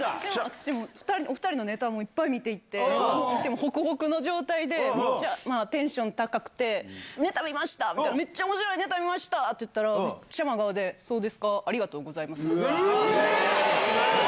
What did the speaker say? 私もお２人のネタもいっぱい見ていて、ほくほくの状態で、めっちゃテンション高くて、ネタ見ましたって言ったら、めっちゃおもしろいネタ見ましたって言ったら、めっちゃ真顔で、そうですか、ありがとうございますぅ。